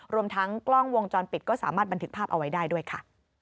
รวมทั้งกล้องวงจรปิดก็สามารถบันทึกภาพเอาไว้ได้ด้วยค่ะ